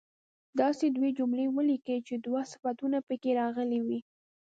داسې دوې جملې ولیکئ چې دوه صفتونه په کې راغلي وي.